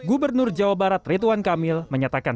untuk bisa menyerahkan